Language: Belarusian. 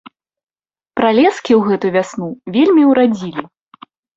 Пралескі ў гэту вясну вельмі ўрадзілі.